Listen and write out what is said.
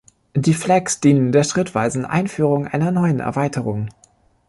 Die Flags dienen der schrittweisen Einführung einer neuen Erweiterung.